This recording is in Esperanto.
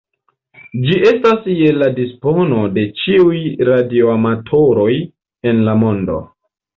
Ĝi estas je la dispono de ĉiuj radioamatoroj en la mondo.